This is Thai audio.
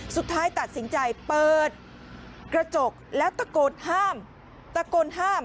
สุดท้ายตัดสินใจเปิดกระจกแล้วตะโกนห้าม